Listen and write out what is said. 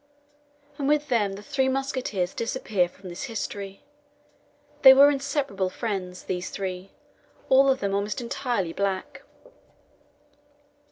And with them the "Three Musketeers" disappear from this history. They were inseparable friends, these three; all of them almost entirely black.